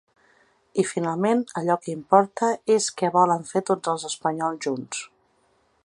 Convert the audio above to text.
I finalment allò que importa és què volen fer tots els espanyols junts.